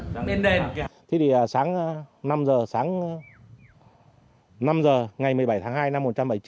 thế thì sáng năm giờ sáng năm giờ ngày một mươi bảy tháng hai năm một nghìn chín trăm bảy mươi chín